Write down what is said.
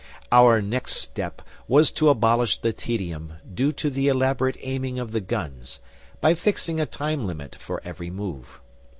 Our next step was to abolish the tedium due to the elaborate aiming of the guns, by fixing a time limit for every move.